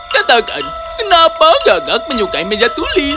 katakan kenapa gagak menyukai meja tuli